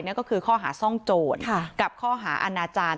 ก็คือข้อหาซ่องโจรกับข้อหาอาณาจารย์